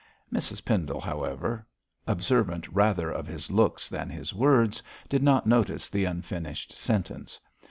Mrs Pendle, however, observant rather of his looks than his words, did not notice the unfinished sentence.